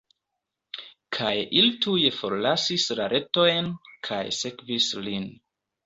Kaj ili tuj forlasis la retojn, kaj sekvis lin.